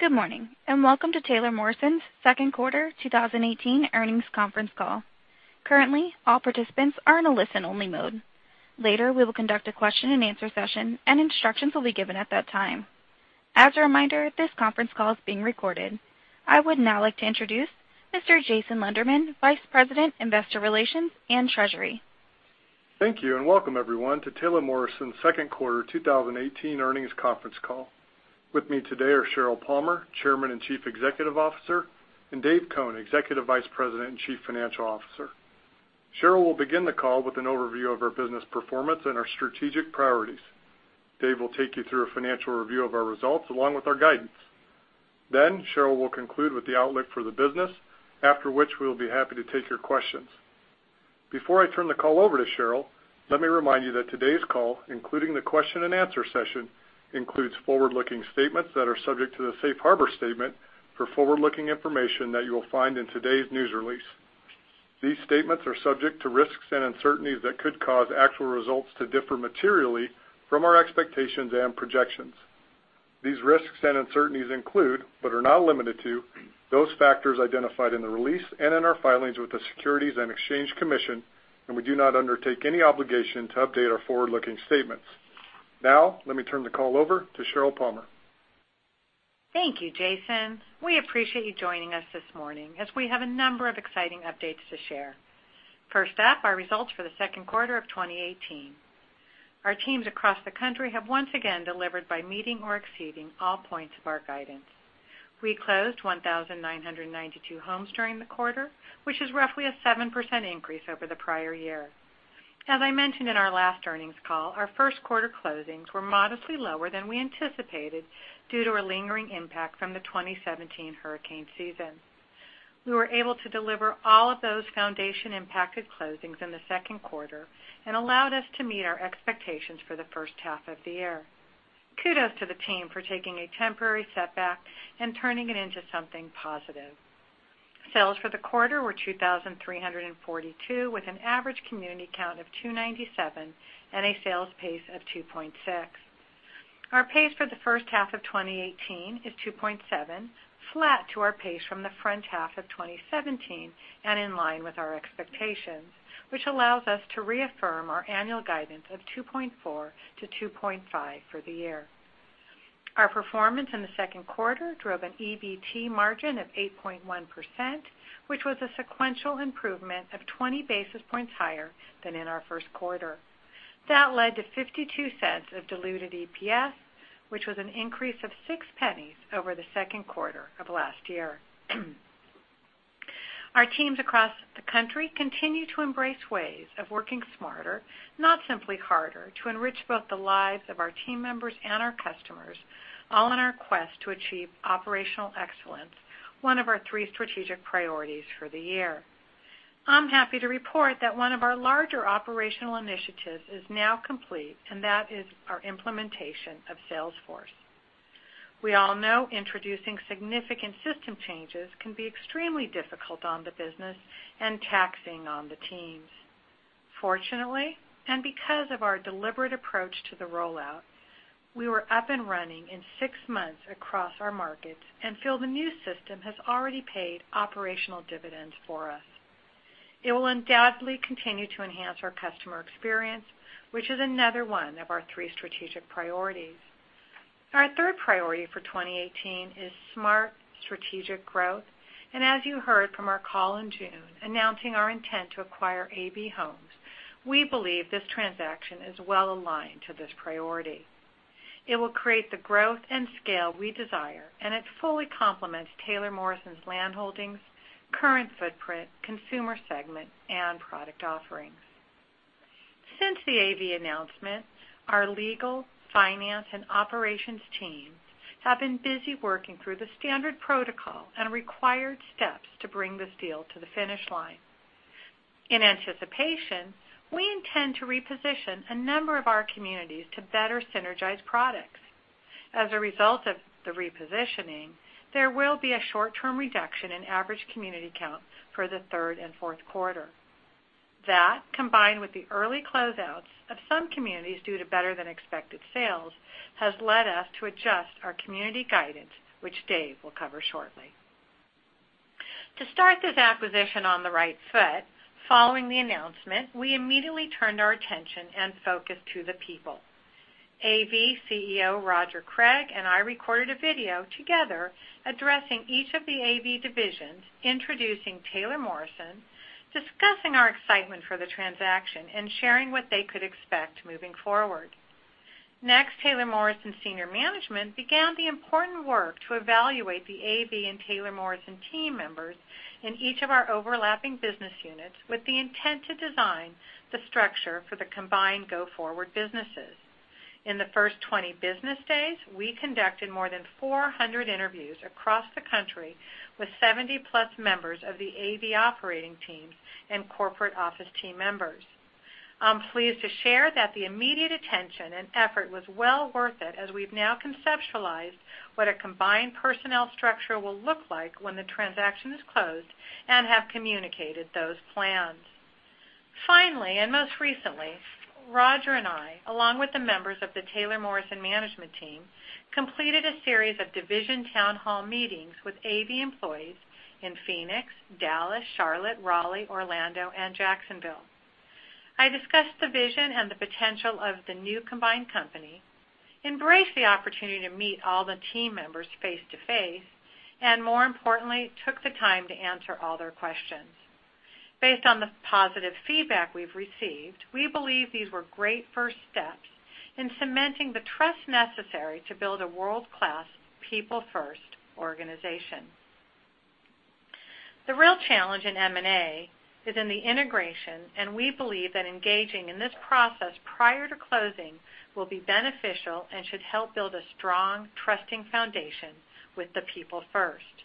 Good morning and welcome to Taylor Morrison's second quarter 2018 earnings conference call. Currently, all participants are in a listen-only mode. Later, we will conduct a question-and-answer session, and instructions will be given at that time. As a reminder, this conference call is being recorded. I would now like to introduce Mr. Jason Lunderman, Vice President, Investor Relations, and Treasury. Thank you and welcome, everyone, to Taylor Morrison's second quarter 2018 earnings conference call. With me today are Sheryl Palmer, Chairman and Chief Executive Officer, and Dave Cone, Executive Vice President and Chief Financial Officer. Sheryl will begin the call with an overview of our business performance and our strategic priorities. Dave will take you through a financial review of our results along with our guidance. Then, Sheryl will conclude with the outlook for the business, after which we will be happy to take your questions. Before I turn the call over to Sheryl, let me remind you that today's call, including the question-and-answer session, includes forward-looking statements that are subject to the Safe Harbor Statement for forward-looking information that you will find in today's news release. These statements are subject to risks and uncertainties that could cause actual results to differ materially from our expectations and projections. These risks and uncertainties include, but are not limited to, those factors identified in the release and in our filings with the Securities and Exchange Commission, and we do not undertake any obligation to update our forward-looking statements. Now, let me turn the call over to Sheryl Palmer. Thank you, Jason. We appreciate you joining us this morning as we have a number of exciting updates to share. First up, our results for the second quarter of 2018. Our teams across the country have once again delivered by meeting or exceeding all points of our guidance. We closed 1,992 homes during the quarter, which is roughly a 7% increase over the prior year. As I mentioned in our last earnings call, our first quarter closings were modestly lower than we anticipated due to a lingering impact from the 2017 hurricane season. We were able to deliver all of those foundation-impacted closings in the second quarter and allowed us to meet our expectations for the first half of the year. Kudos to the team for taking a temporary setback and turning it into something positive. Sales for the quarter were 2,342, with an average community count of 297 and a sales pace of 2.6. Our pace for the first half of 2018 is 2.7, flat to our pace from the front half of 2017 and in line with our expectations, which allows us to reaffirm our annual guidance of 2.4 to 2.5 for the year. Our performance in the second quarter drove an EBT margin of 8.1%, which was a sequential improvement of 20 basis points higher than in our first quarter. That led to $0.52 of diluted EPS, which was an increase of $0.06 over the second quarter of last year. Our teams across the country continue to embrace ways of working smarter, not simply harder, to enrich both the lives of our team members and our customers, all in our quest to achieve operational excellence, one of our three strategic priorities for the year. I'm happy to report that one of our larger operational initiatives is now complete, and that is our implementation of Salesforce. We all know introducing significant system changes can be extremely difficult on the business and taxing on the teams. Fortunately, and because of our deliberate approach to the rollout, we were up and running in six months across our markets and feel the new system has already paid operational dividends for us. It will undoubtedly continue to enhance our customer experience, which is another one of our three strategic priorities. Our third priority for 2018 is smart strategic growth, and as you heard from our call in June announcing our intent to acquire AV Homes, we believe this transaction is well aligned to this priority. It will create the growth and scale we desire, and it fully complements Taylor Morrison's land holdings, current footprint, consumer segment, and product offerings. Since the AV announcement, our legal, finance, and operations teams have been busy working through the standard protocol and required steps to bring this deal to the finish line. In anticipation, we intend to reposition a number of our communities to better synergize products. As a result of the repositioning, there will be a short-term reduction in average community count for the third and fourth quarter. That, combined with the early closeouts of some communities due to better-than-expected sales, has led us to adjust our community guidance, which Dave will cover shortly. To start this acquisition on the right foot, following the announcement, we immediately turned our attention and focus to the people. AV CEO Roger Cregg and I recorded a video together addressing each of the AV divisions, introducing Taylor Morrison, discussing our excitement for the transaction, and sharing what they could expect moving forward. Next, Taylor Morrison Senior Management began the important work to evaluate the AV and Taylor Morrison team members in each of our overlapping business units with the intent to design the structure for the combined go-forward businesses. In the first 20 business days, we conducted more than 400 interviews across the country with 70-plus members of the AV operating teams and corporate office team members. I'm pleased to share that the immediate attention and effort was well worth it as we've now conceptualized what a combined personnel structure will look like when the transaction is closed and have communicated those plans. Finally, and most recently, Roger and I, along with the members of the Taylor Morrison Management Team, completed a series of division town hall meetings with AV employees in Phoenix, Dallas, Charlotte, Raleigh, Orlando, and Jacksonville. I discussed the vision and the potential of the new combined company, embraced the opportunity to meet all the team members face-to-face, and more importantly, took the time to answer all their questions. Based on the positive feedback we've received, we believe these were great first steps in cementing the trust necessary to build a world-class, people-first organization. The real challenge in M&A is in the integration, and we believe that engaging in this process prior to closing will be beneficial and should help build a strong, trusting foundation with the people first.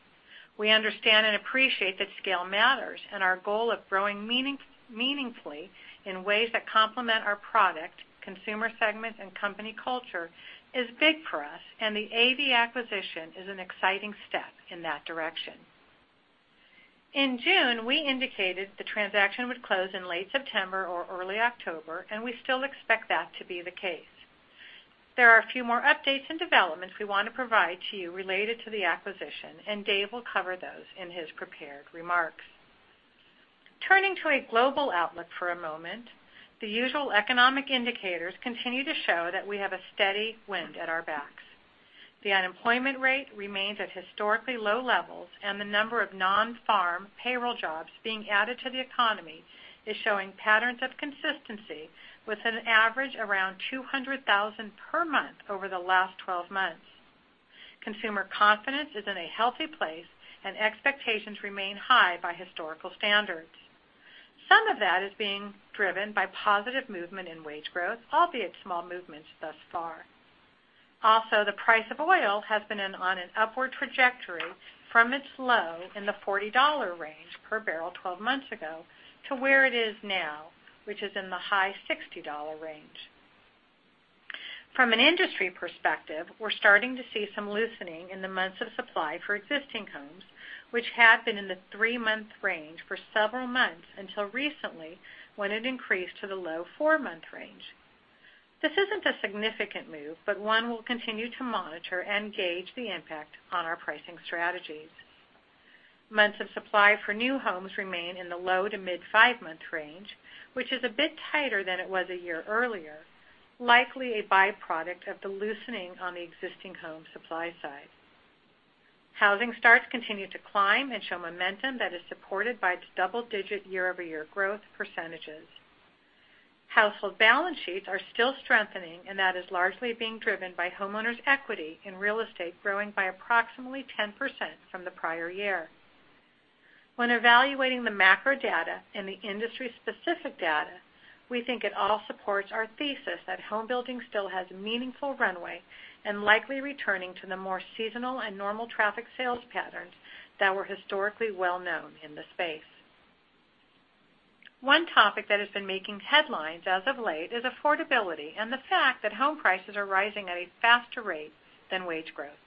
We understand and appreciate that scale matters, and our goal of growing meaningfully in ways that complement our product, consumer segment, and company culture is big for us, and the AV acquisition is an exciting step in that direction. In June, we indicated the transaction would close in late September or early October, and we still expect that to be the case. There are a few more updates and developments we want to provide to you related to the acquisition, and Dave will cover those in his prepared remarks. Turning to a global outlook for a moment, the usual economic indicators continue to show that we have a steady wind at our backs. The unemployment rate remains at historically low levels, and the number of non-farm payroll jobs being added to the economy is showing patterns of consistency with an average around 200,000 per month over the last 12 months. Consumer confidence is in a healthy place, and expectations remain high by historical standards. Some of that is being driven by positive movement in wage growth, albeit small movements thus far. Also, the price of oil has been on an upward trajectory from its low in the $40 range per barrel 12 months ago to where it is now, which is in the high $60 range. From an industry perspective, we're starting to see some loosening in the months of supply for existing homes, which had been in the three-month range for several months until recently when it increased to the low four-month range. This isn't a significant move, but one we'll continue to monitor and gauge the impact on our pricing strategies. Months of supply for new homes remain in the low to mid-five-month range, which is a bit tighter than it was a year earlier, likely a byproduct of the loosening on the existing home supply side. Housing starts continue to climb and show momentum that is supported by its double-digit year-over-year growth percentages. Household balance sheets are still strengthening, and that is largely being driven by homeowners' equity in real estate growing by approximately 10% from the prior year. When evaluating the macro data and the industry-specific data, we think it all supports our thesis that home building still has a meaningful runway and likely returning to the more seasonal and normal traffic sales patterns that were historically well known in the space. One topic that has been making headlines as of late is affordability and the fact that home prices are rising at a faster rate than wage growth.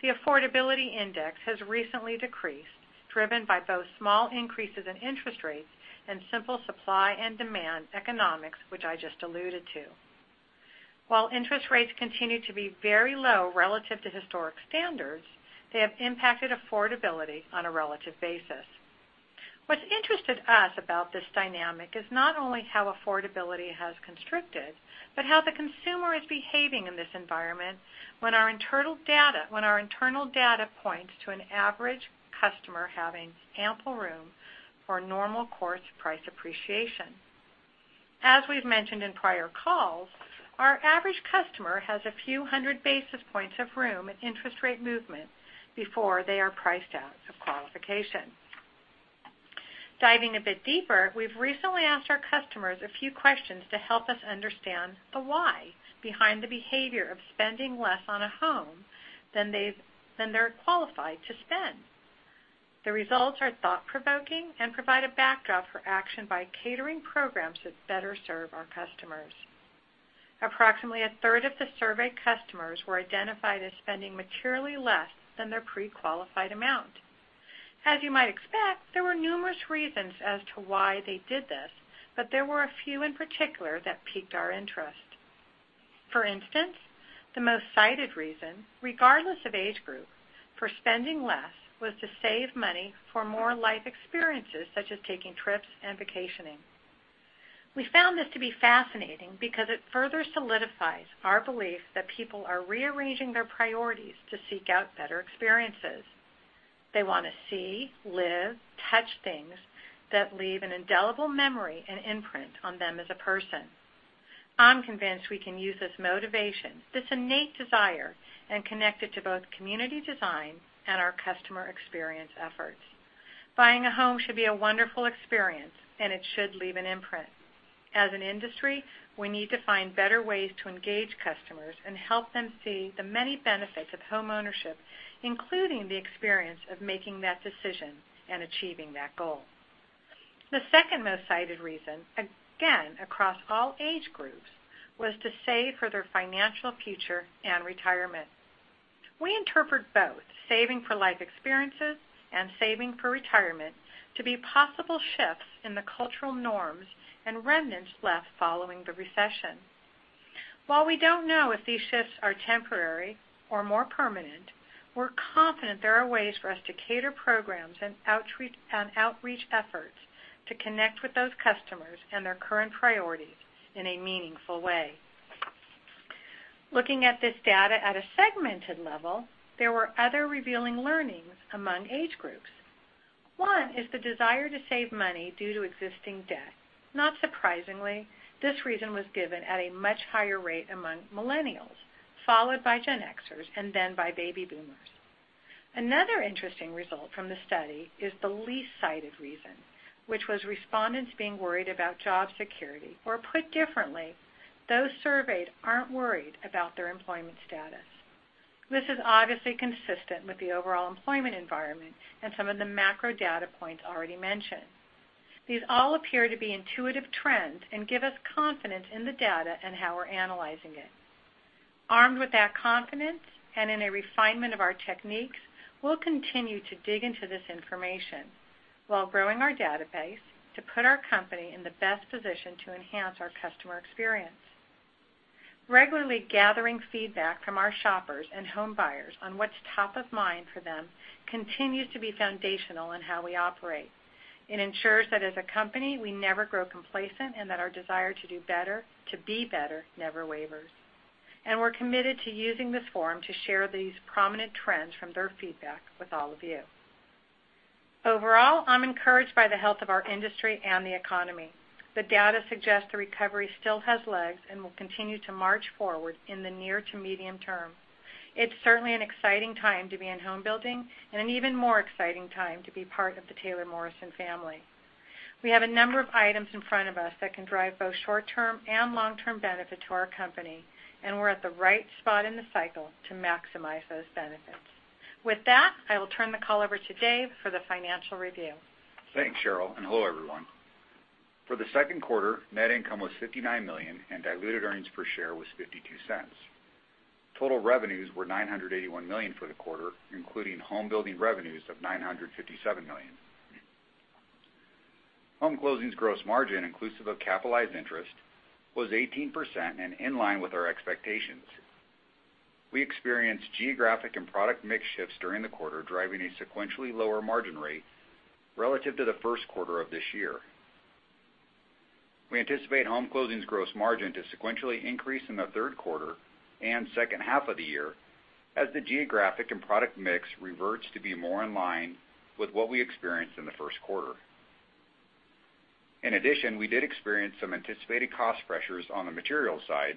The Affordability Index has recently decreased, driven by both small increases in interest rates and simple supply and demand economics, which I just alluded to. While interest rates continue to be very low relative to historic standards, they have impacted affordability on a relative basis. What's interested us about this dynamic is not only how affordability has constricted, but how the consumer is behaving in this environment when our internal data points to an average customer having ample room for normal-course price appreciation. As we've mentioned in prior calls, our average customer has a few hundred basis points of room in interest rate movement before they are priced out of qualification. Diving a bit deeper, we've recently asked our customers a few questions to help us understand the why behind the behavior of spending less on a home than they're qualified to spend. The results are thought-provoking and provide a backdrop for action by catering programs that better serve our customers. Approximately a third of the surveyed customers were identified as spending materially less than their pre-qualified amount. As you might expect, there were numerous reasons as to why they did this, but there were a few in particular that piqued our interest. For instance, the most cited reason, regardless of age group, for spending less was to save money for more life experiences such as taking trips and vacationing. We found this to be fascinating because it further solidifies our belief that people are rearranging their priorities to seek out better experiences. They want to see, live, touch things that leave an indelible memory and imprint on them as a person. I'm convinced we can use this motivation, this innate desire, and connect it to both community design and our customer experience efforts. Buying a home should be a wonderful experience, and it should leave an imprint. As an industry, we need to find better ways to engage customers and help them see the many benefits of home ownership, including the experience of making that decision and achieving that goal. The second most cited reason, again across all age groups, was to save for their financial future and retirement. We interpret both saving for life experiences and saving for retirement to be possible shifts in the cultural norms and remnants left following the recession. While we don't know if these shifts are temporary or more permanent, we're confident there are ways for us to cater programs and outreach efforts to connect with those customers and their current priorities in a meaningful way. Looking at this data at a segmented level, there were other revealing learnings among age groups. One is the desire to save money due to existing debt. Not surprisingly, this reason was given at a much higher rate among Millennials, followed by Gen Xers and then by Baby Boomers. Another interesting result from the study is the least cited reason, which was respondents being worried about job security, or put differently, those surveyed aren't worried about their employment status. This is obviously consistent with the overall employment environment and some of the macro data points already mentioned. These all appear to be intuitive trends and give us confidence in the data and how we're analyzing it. Armed with that confidence and in a refinement of our techniques, we'll continue to dig into this information while growing our database to put our company in the best position to enhance our customer experience. Regularly gathering feedback from our shoppers and home buyers on what's top of mind for them continues to be foundational in how we operate. It ensures that as a company, we never grow complacent and that our desire to do better, to be better, never wavers, and we're committed to using this forum to share these prominent trends from their feedback with all of you. Overall, I'm encouraged by the health of our industry and the economy. The data suggests the recovery still has legs and will continue to march forward in the near to medium term. It's certainly an exciting time to be in home building and an even more exciting time to be part of the Taylor Morrison family. We have a number of items in front of us that can drive both short-term and long-term benefit to our company, and we're at the right spot in the cycle to maximize those benefits. With that, I will turn the call over to Dave for the financial review. Thanks, Sheryl, and hello everyone. For the second quarter, net income was $59 million, and diluted earnings per share was $0.52. Total revenues were $981 million for the quarter, including home building revenues of $957 million. Home closings gross margin, inclusive of capitalized interest, was 18% and in line with our expectations. We experienced geographic and product mix shifts during the quarter, driving a sequentially lower margin rate relative to the first quarter of this year. We anticipate home closings gross margin to sequentially increase in the third quarter and second half of the year as the geographic and product mix reverts to be more in line with what we experienced in the first quarter. In addition, we did experience some anticipated cost pressures on the material side.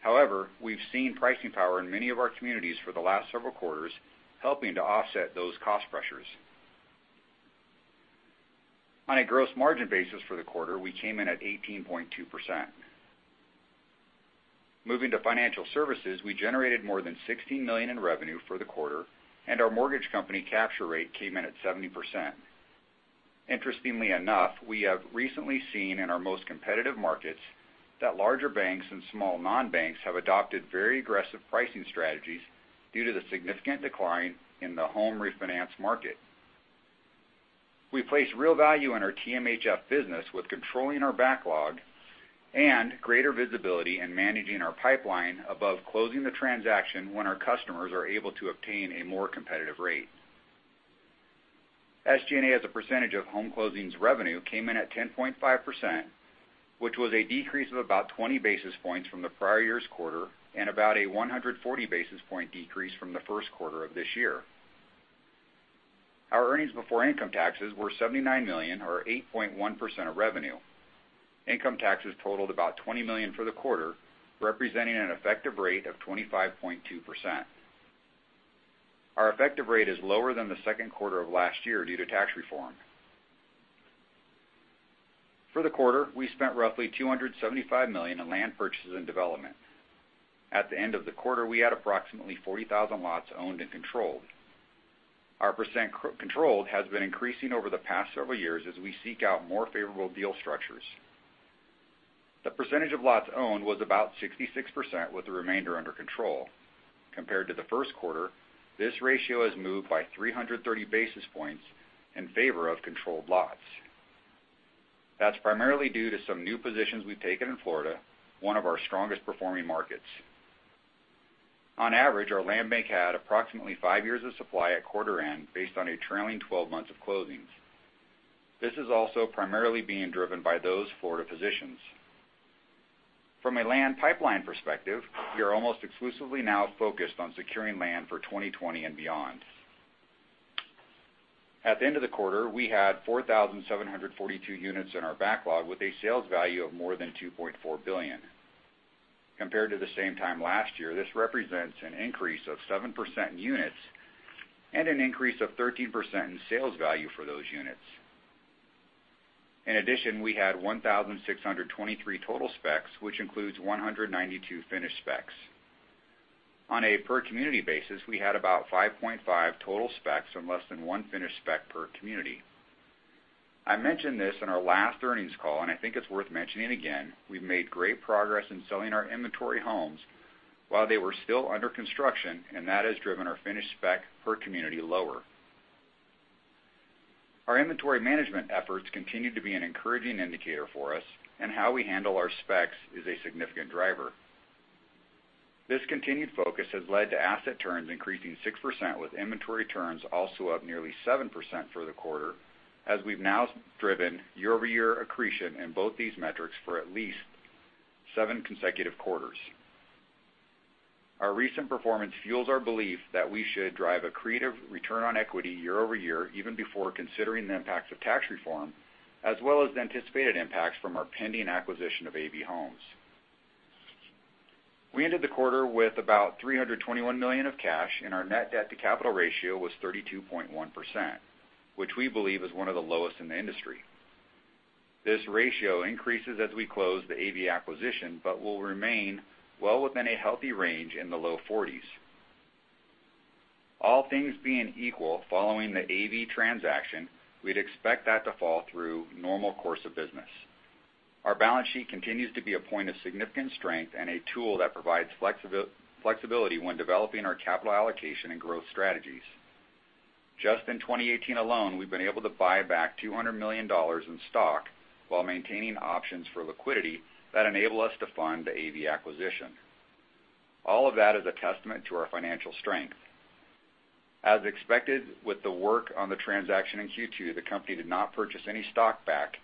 However, we've seen pricing power in many of our communities for the last several quarters, helping to offset those cost pressures. On a gross margin basis for the quarter, we came in at 18.2%. Moving to financial services, we generated more than $16 million in revenue for the quarter, and our mortgage company capture rate came in at 70%. Interestingly enough, we have recently seen in our most competitive markets that larger banks and small non-banks have adopted very aggressive pricing strategies due to the significant decline in the home refinance market. We place real value in our TMHF business with controlling our backlog and greater visibility and managing our pipeline above closing the transaction when our customers are able to obtain a more competitive rate. SG&A as a percentage of home closings revenue came in at 10.5%, which was a decrease of about 20 basis points from the prior year's quarter and about a 140 basis point decrease from the first quarter of this year. Our earnings before income taxes were $79 million, or 8.1% of revenue. Income taxes totaled about $20 million for the quarter, representing an effective rate of 25.2%. Our effective rate is lower than the second quarter of last year due to tax reform. For the quarter, we spent roughly $275 million in land purchases and development. At the end of the quarter, we had approximately 40,000 lots owned and controlled. Our percent controlled has been increasing over the past several years as we seek out more favorable deal structures. The percentage of lots owned was about 66%, with the remainder under control. Compared to the first quarter, this ratio has moved by 330 basis points in favor of controlled lots. That's primarily due to some new positions we've taken in Florida, one of our strongest performing markets. On average, our land bank had approximately five years of supply at quarter end based on a trailing 12 months of closings. This is also primarily being driven by those Florida positions. From a land pipeline perspective, we are almost exclusively now focused on securing land for 2020 and beyond. At the end of the quarter, we had 4,742 units in our backlog with a sales value of more than $2.4 billion. Compared to the same time last year, this represents an increase of 7% in units and an increase of 13% in sales value for those units. In addition, we had 1,623 total specs, which includes 192 finished specs. On a per-community basis, we had about 5.5 total specs and less than one finished spec per community. I mentioned this in our last earnings call, and I think it's worth mentioning again. We've made great progress in selling our inventory homes while they were still under construction, and that has driven our finished spec per community lower. Our inventory management efforts continue to be an encouraging indicator for us, and how we handle our specs is a significant driver. This continued focus has led to asset turns increasing 6%, with inventory turns also up nearly 7% for the quarter, as we've now driven year-over-year accretion in both these metrics for at least seven consecutive quarters. Our recent performance fuels our belief that we should drive accretive return on equity year-over-year, even before considering the impacts of tax reform, as well as the anticipated impacts from our pending acquisition of AV Homes. We ended the quarter with about $321 million of cash, and our net debt-to-capital ratio was 32.1%, which we believe is one of the lowest in the industry. This ratio increases as we close the AV acquisition, but will remain well within a healthy range in the low 40s. All things being equal, following the AV transaction, we'd expect that to fall through normal course of business. Our balance sheet continues to be a point of significant strength and a tool that provides flexibility when developing our capital allocation and growth strategies. Just in 2018 alone, we've been able to buy back $200 million in stock while maintaining options for liquidity that enable us to fund the AV acquisition. All of that is a testament to our financial strength. As expected with the work on the transaction in Q2, the company did not purchase any stock back,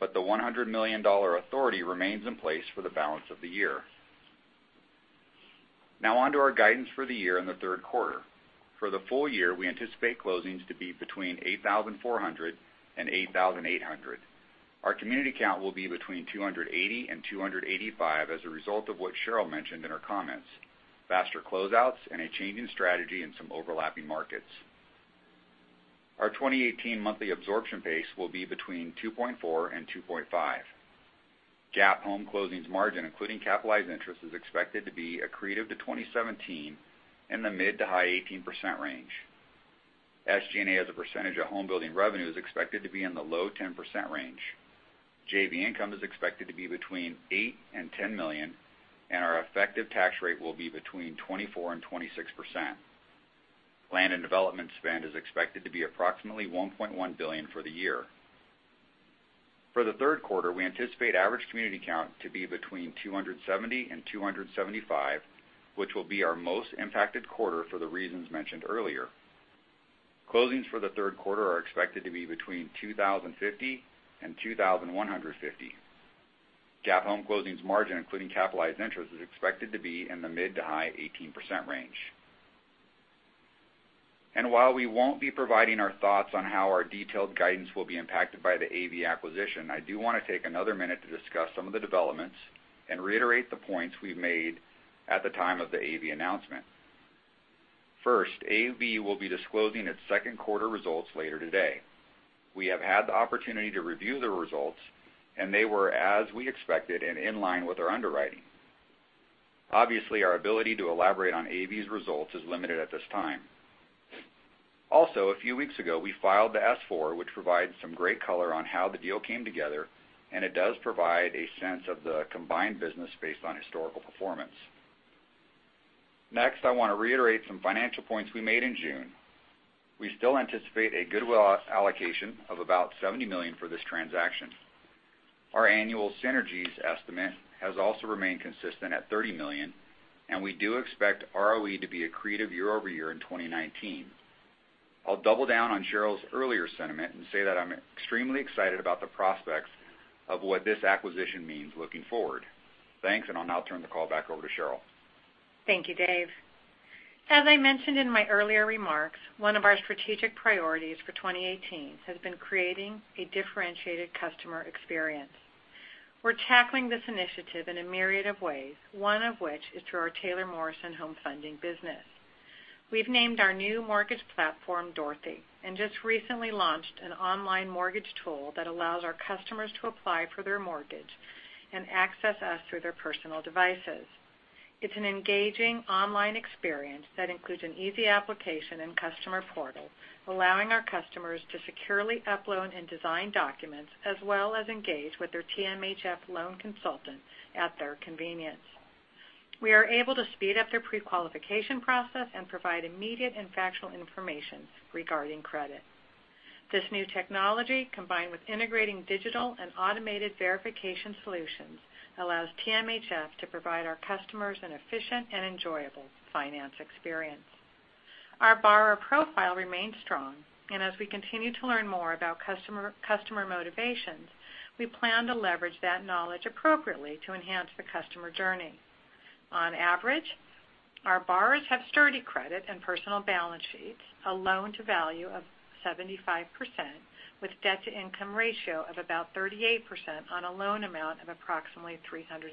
but the $100 million authority remains in place for the balance of the year. Now on to our guidance for the year in the third quarter. For the full year, we anticipate closings to be between 8,400 and 8,800. Our community count will be between 280 and 285 as a result of what Sheryl mentioned in her comments: faster closeouts and a changing strategy in some overlapping markets. Our 2018 monthly absorption pace will be between 2.4 and 2.5. GAAP home closings margin, including capitalized interest, is expected to be a decrease from 2017 in the mid to high 18% range. SG&A as a percentage of home building revenues expected to be in the low 10% range. JV income is expected to be between $8 million and $10 million, and our effective tax rate will be between 24% and 26%. Land and development spend is expected to be approximately $1.1 billion for the year. For the third quarter, we anticipate average community count to be between 270 and 275, which will be our most impacted quarter for the reasons mentioned earlier. Closings for the third quarter are expected to be between 2,050 and 2,150. GAAP home closings margin, including capitalized interest, is expected to be in the mid to high 18% range, and while we won't be providing our thoughts on how our detailed guidance will be impacted by the AV acquisition, I do want to take another minute to discuss some of the developments and reiterate the points we've made at the time of the AV announcement. First, AV will be disclosing its second quarter results later today. We have had the opportunity to review the results, and they were, as we expected, in line with our underwriting. Obviously, our ability to elaborate on AV's results is limited at this time. Also, a few weeks ago, we filed the S4, which provides some great color on how the deal came together, and it does provide a sense of the combined business based on historical performance. Next, I want to reiterate some financial points we made in June. We still anticipate a goodwill allocation of about $70 million for this transaction. Our annual synergies estimate has also remained consistent at $30 million, and we do expect ROE to be accretive year-over-year in 2019. I'll double down on Sheryl's earlier sentiment and say that I'm extremely excited about the prospects of what this acquisition means looking forward. Thanks, and I'll now turn the call back over to Sheryl. Thank you, Dave. As I mentioned in my earlier remarks, one of our strategic priorities for 2018 has been creating a differentiated customer experience. We're tackling this initiative in a myriad of ways, one of which is through our Taylor Morrison Home Funding business. We've named our new mortgage platform, Dorothy, and just recently launched an online mortgage tool that allows our customers to apply for their mortgage and access us through their personal devices. It's an engaging online experience that includes an easy application and customer portal, allowing our customers to securely upload and sign documents, as well as engage with their TMHF loan consultant at their convenience. We are able to speed up their pre-qualification process and provide immediate and factual information regarding credit. This new technology, combined with integrating digital and automated verification solutions, allows TMHF to provide our customers an efficient and enjoyable finance experience. Our borrower profile remains strong, and as we continue to learn more about customer motivations, we plan to leverage that knowledge appropriately to enhance the customer journey. On average, our borrowers have sturdy credit and personal balance sheets, a loan-to-value of 75%, with a debt-to-income ratio of about 38% on a loan amount of approximately $345,000.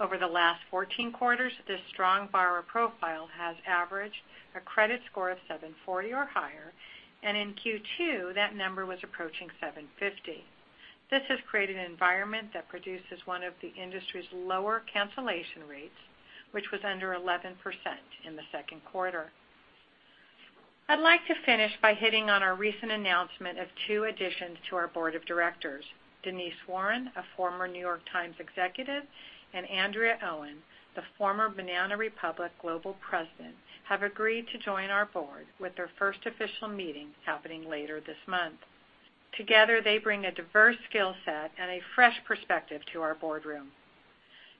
Over the last 14 quarters, this strong borrower profile has averaged a credit score of 740 or higher, and in Q2, that number was approaching 750. This has created an environment that produces one of the industry's lower cancellation rates, which was under 11% in the second quarter. I'd like to finish by hitting on our recent announcement of two additions to our board of directors. Denise Warren, a former New York Times executive, and Andrea Owen, the former Banana Republic Global President, have agreed to join our board with their first official meeting happening later this month. Together, they bring a diverse skill set and a fresh perspective to our boardroom.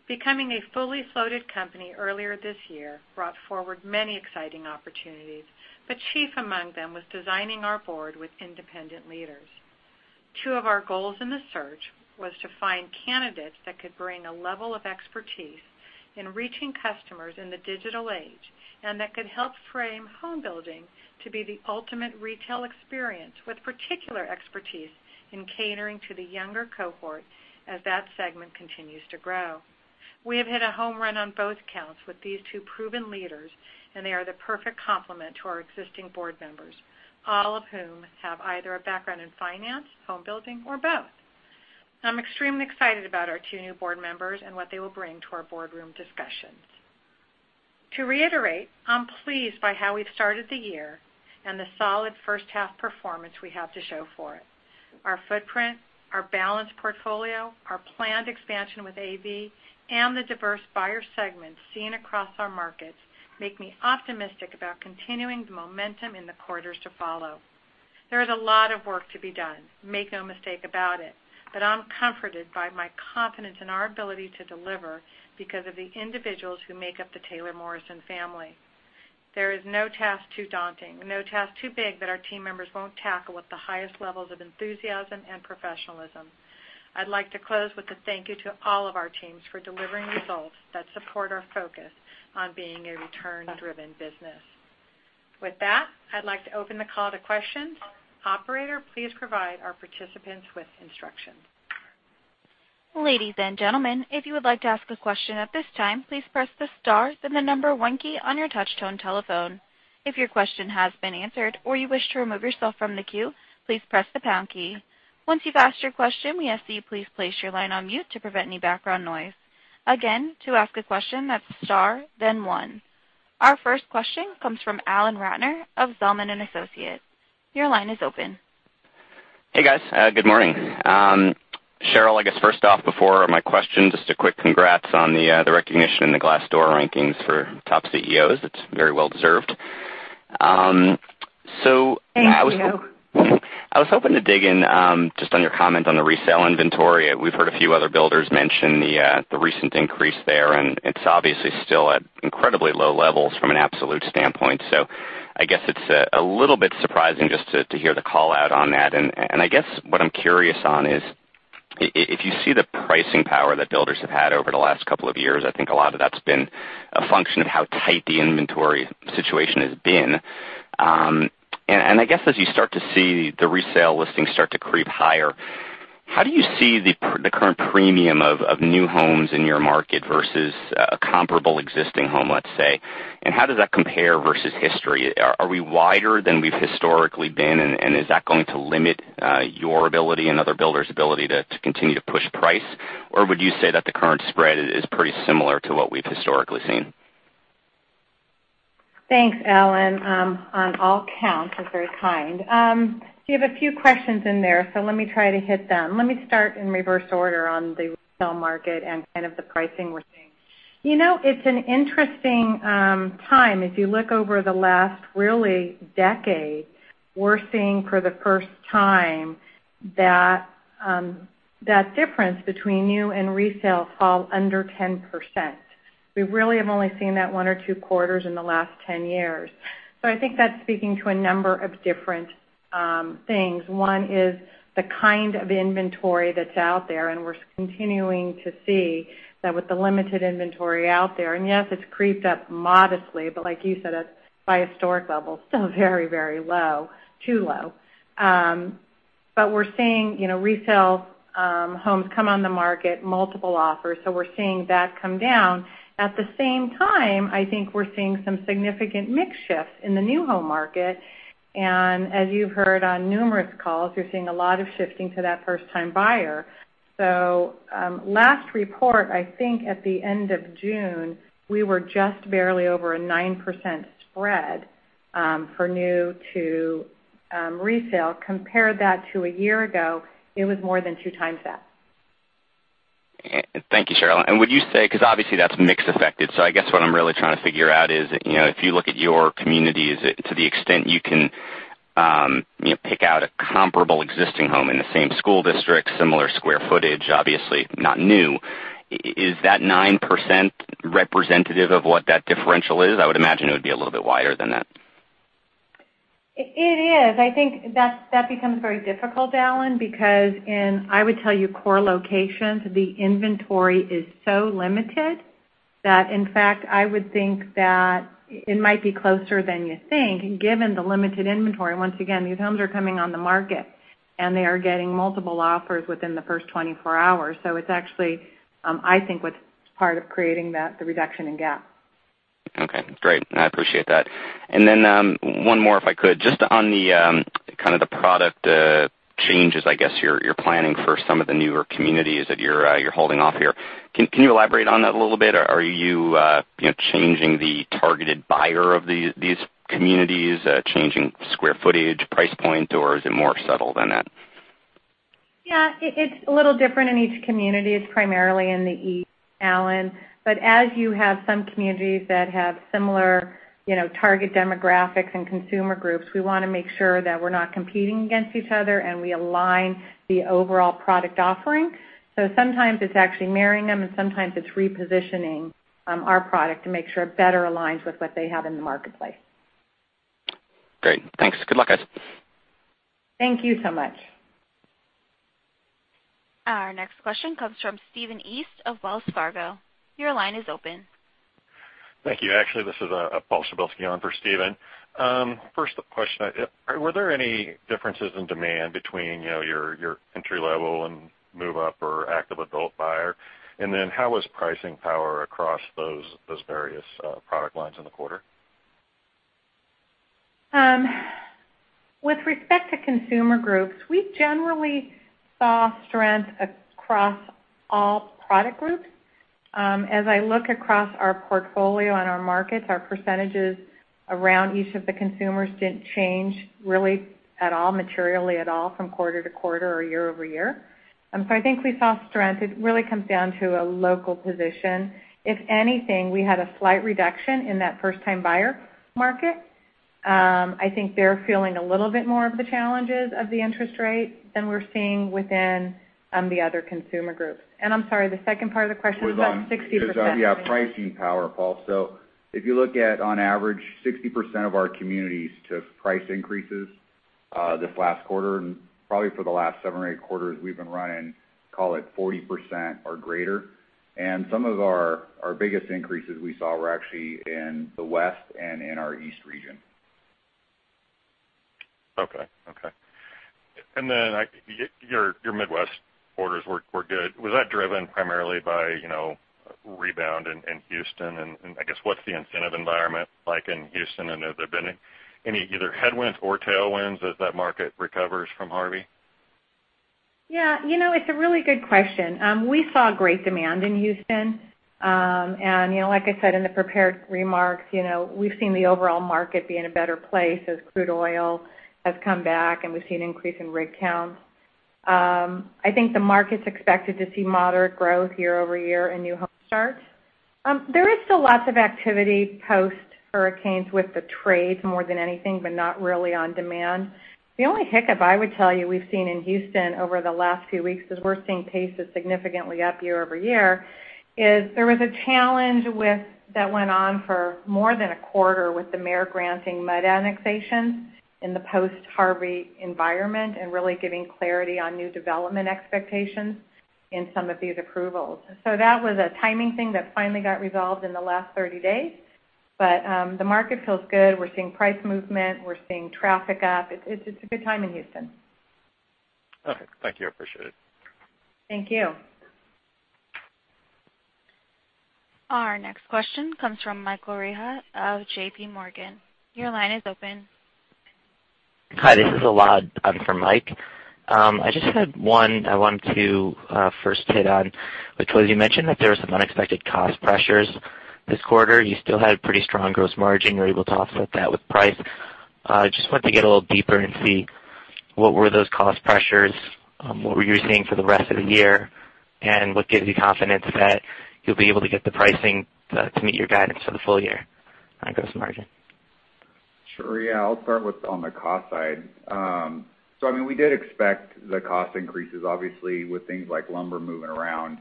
Becoming a fully floated company earlier this year brought forward many exciting opportunities, but chief among them was designing our board with independent leaders. Two of our goals in the search were to find candidates that could bring a level of expertise in reaching customers in the digital age and that could help frame home building to be the ultimate retail experience with particular expertise in catering to the younger cohort as that segment continues to grow. We have hit a home run on both counts with these two proven leaders, and they are the perfect complement to our existing board members, all of whom have either a background in finance, home building, or both. I'm extremely excited about our two new board members and what they will bring to our boardroom discussions. To reiterate, I'm pleased by how we've started the year and the solid first-half performance we have to show for it. Our footprint, our balance portfolio, our planned expansion with AV, and the diverse buyer segment seen across our markets make me optimistic about continuing the momentum in the quarters to follow. There is a lot of work to be done, make no mistake about it, but I'm comforted by my confidence in our ability to deliver because of the individuals who make up the Taylor Morrison family. There is no task too daunting, no task too big that our team members won't tackle with the highest levels of enthusiasm and professionalism. I'd like to close with a thank you to all of our teams for delivering results that support our focus on being a return-driven business. With that, I'd like to open the call to questions. Operator, please provide our participants with instructions. Ladies and gentlemen, if you would like to ask a question at this time, please press the star, then the number one key on your touch-tone telephone. If your question has been answered or you wish to remove yourself from the queue, please press the pound key. Once you've asked your question, we ask that you please place your line on mute to prevent any background noise. Again, to ask a question, that's star, then one. Our first question comes from Alan Ratner of Zelman & Associates. Your line is open. Hey, guys. Good morning. Sheryl, I guess first off, before my question, just a quick congrats on the recognition in the Glassdoor rankings for top CEOs. It's very well-deserved. So. Thank you. I was hoping to dig in just on your comment on the resale inventory. We've heard a few other builders mention the recent increase there, and it's obviously still at incredibly low levels from an absolute standpoint. So I guess it's a little bit surprising just to hear the call out on that. And I guess what I'm curious on is if you see the pricing power that builders have had over the last couple of years, I think a lot of that's been a function of how tight the inventory situation has been. And I guess as you start to see the resale listings start to creep higher, how do you see the current premium of new homes in your market versus a comparable existing home, let's say? And how does that compare versus history? Are we wider than we've historically been, and is that going to limit your ability and other builders' ability to continue to push price? Or would you say that the current spread is pretty similar to what we've historically seen? Thanks, Alan. On all counts, he's very kind. So you have a few questions in there, so let me try to hit them. Let me start in reverse order on the resale market and kind of the pricing we're seeing. You know, it's an interesting time. As you look over the last really decade, we're seeing for the first time that that difference between new and resale fall under 10%. We really have only seen that one or two quarters in the last 10 years. So I think that's speaking to a number of different things. One is the kind of inventory that's out there, and we're continuing to see that with the limited inventory out there. And yes, it's creeped up modestly, but like you said, by historic levels, still very, very low, too low. But we're seeing resale homes come on the market, multiple offers, so we're seeing that come down. At the same time, I think we're seeing some significant mix shifts in the new home market. And as you've heard on numerous calls, you're seeing a lot of shifting to that first-time buyer. So last report, I think at the end of June, we were just barely over a 9% spread for new to resale. Compared that to a year ago, it was more than two times that. Thank you, Sheryl. And would you say, because obviously that's mixed affected, so I guess what I'm really trying to figure out is if you look at your community, to the extent you can pick out a comparable existing home in the same school district, similar square footage, obviously not new, is that 9% representative of what that differential is? I would imagine it would be a little bit wider than that. It is. I think that becomes very difficult, Alan, because in, I would tell you, core locations, the inventory is so limited that, in fact, I would think that it might be closer than you think, given the limited inventory. Once again, these homes are coming on the market, and they are getting multiple offers within the first 24 hours. So it's actually, I think, what's part of creating the reduction in gap. Okay. Great. I appreciate that. And then one more, if I could, just on kind of the product changes, I guess you're planning for some of the newer communities that you're holding off here. Can you elaborate on that a little bit? Are you changing the targeted buyer of these communities, changing square footage, price point, or is it more subtle than that? Yeah. It's a little different in each community. It's primarily in the East, Alan. But as you have some communities that have similar target demographics and consumer groups, we want to make sure that we're not competing against each other and we align the overall product offering. So sometimes it's actually marrying them, and sometimes it's repositioning our product to make sure it better aligns with what they have in the marketplace. Great. Thanks. Good luck, guys. Thank you so much. Our next question comes from Steven East of Wells Fargo. Your line is open. Thank you. Actually, this is Paul Przybylski on for Steven. First question, were there any differences in demand between your entry-level and move-up or active adult buyer? And then how was pricing power across those various product lines in the quarter? With respect to consumer groups, we generally saw strength across all product groups. As I look across our portfolio and our markets, our percentages around each of the consumers didn't change really at all, materially at all, from quarter to quarter or year over year, so I think we saw strength. It really comes down to a local position. If anything, we had a slight reduction in that first-time buyer market. I think they're feeling a little bit more of the challenges of the interest rate than we're seeing within the other consumer groups, and I'm sorry, the second part of the question was about 60%. Yeah, pricing power, Paul. So if you look at, on average, 60% of our communities took price increases this last quarter. And probably for the last seven or eight quarters, we've been running, call it, 40% or greater. And some of our biggest increases we saw were actually in the West and in our East region. Okay. Okay. And then your Midwest quarters were good. Was that driven primarily by rebound in Houston? And I guess, what's the incentive environment like in Houston? And have there been any either headwinds or tailwinds as that market recovers from Harvey? Yeah. You know, it's a really good question. We saw great demand in Houston. And like I said in the prepared remarks, we've seen the overall market be in a better place as crude oil has come back, and we've seen an increase in rig counts. I think the market's expected to see moderate growth year over year and new home starts. There is still lots of activity post-hurricanes with the trades more than anything, but not really on demand. The only hiccup I would tell you we've seen in Houston over the last few weeks is we're seeing pace is significantly up year over year. There was a challenge that went on for more than a quarter with the mayor granting MUD annexations in the post-Harvey environment and really giving clarity on new development expectations in some of these approvals. So that was a timing thing that finally got resolved in the last 30 days. But the market feels good. We're seeing price movement. We're seeing traffic up. It's a good time in Houston. Okay. Thank you. I appreciate it. Thank you. Our next question comes from Michael Rehaut of J.P. Morgan. Your line is open. Hi. This is Elad. I'm from Mike. I just had one I wanted to first hit on, which was you mentioned that there were some unexpected cost pressures this quarter. You still had a pretty strong gross margin. You're able to offset that with price. I just wanted to get a little deeper and see what were those cost pressures, what were you seeing for the rest of the year, and what gives you confidence that you'll be able to get the pricing to meet your guidance for the full year on gross margin? Sure. Yeah. I'll start with on the cost side. So I mean, we did expect the cost increases, obviously, with things like lumber moving around.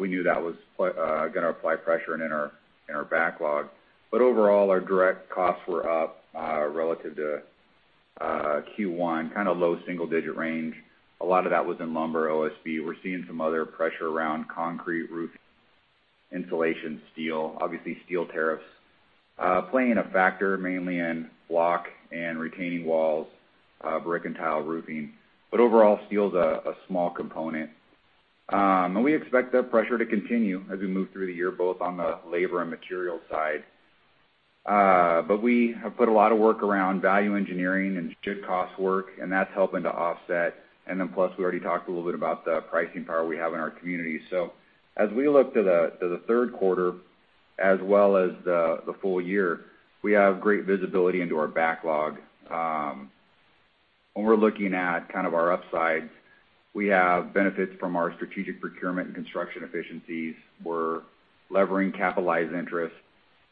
We knew that was going to apply pressure in our backlog. But overall, our direct costs were up relative to Q1, kind of low single-digit range. A lot of that was in lumber, OSB. We're seeing some other pressure around concrete, roofing, insulation, steel, obviously steel tariffs playing a factor, mainly in block and retaining walls, brick and tile roofing. But overall, steel is a small component. And we expect that pressure to continue as we move through the year, both on the labor and material side. But we have put a lot of work around value engineering and should cost work, and that's helping to offset. And then plus, we already talked a little bit about the pricing power we have in our community. So as we look to the third quarter as well as the full year, we have great visibility into our backlog. When we're looking at kind of our upsides, we have benefits from our strategic procurement and construction efficiencies. We're levering capitalized interest.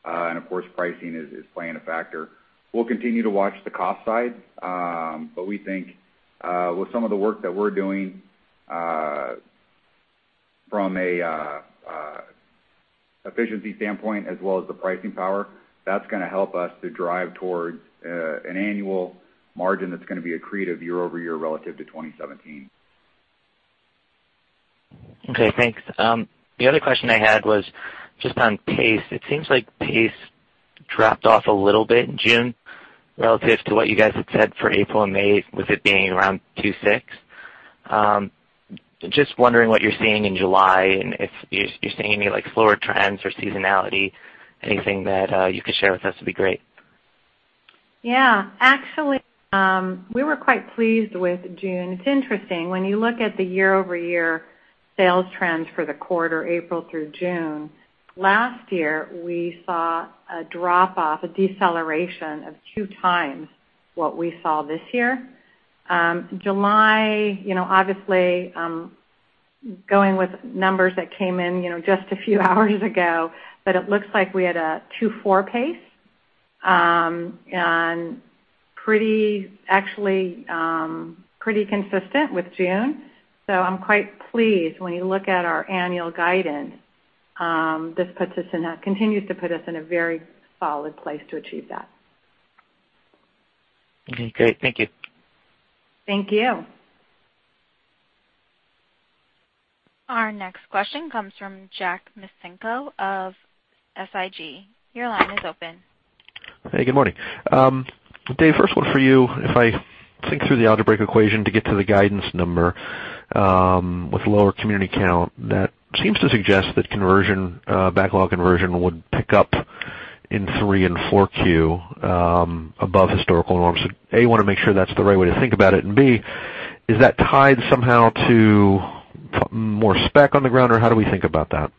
And of course, pricing is playing a factor. We'll continue to watch the cost side, but we think with some of the work that we're doing from an efficiency standpoint as well as the pricing power, that's going to help us to drive towards an annual margin that's going to be accretive year over year relative to 2017. Okay. Thanks. The other question I had was just on pace. It seems like pace dropped off a little bit in June relative to what you guys had said for April and May, with it being around 2.6. Just wondering what you're seeing in July and if you're seeing any slower trends or seasonality. Anything that you could share with us would be great. Yeah. Actually, we were quite pleased with June. It's interesting. When you look at the year-over-year sales trends for the quarter, April through June, last year, we saw a drop-off, a deceleration of two times what we saw this year. July, obviously, going with numbers that came in just a few hours ago, but it looks like we had a 2.4 pace and actually pretty consistent with June. So I'm quite pleased. When you look at our annual guidance, this continues to put us in a very solid place to achieve that. Okay. Great. Thank you. Thank you. Our next question comes from Jack Micenko of SIG. Your line is open. Hey. Good morning. Dave, first one for you. If I think through the algebraic equation to get to the guidance number with lower community count, that seems to suggest that backlog conversion would pick up in 3 and 4Q above historical norms. A, want to make sure that's the right way to think about it. And B, is that tied somehow to more spec on the ground, or how do we think about that?